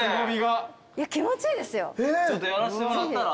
ちょっとやらしてもらったら？